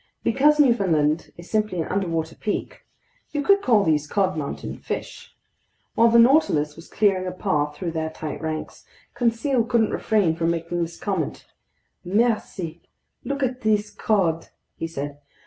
Because Newfoundland is simply an underwater peak, you could call these cod mountain fish. While the Nautilus was clearing a path through their tight ranks, Conseil couldn't refrain from making this comment: "Mercy, look at these cod!" he said.